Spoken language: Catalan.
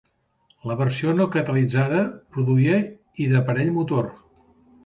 La versió no catalitzada produïa i de parell motor